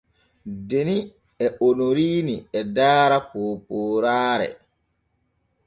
Deni e Onoriini e daara poopooraare.